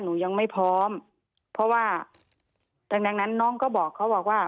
หนูยังไม่พร้อมเพราะว่าดังนั้นน้องก็บอกเขาบอกว่า